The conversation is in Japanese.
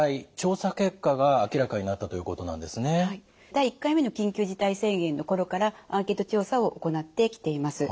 第１回目の緊急事態宣言の頃からアンケート調査を行ってきています。